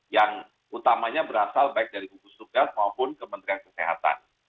yang utamanya berasal baik dari gugus tugas maupun kementerian kesehatan